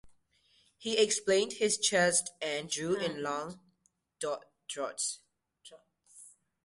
He expanded his chest and drew in long draughts.